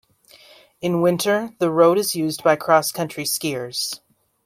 In winter, the road is used by cross-country skiers.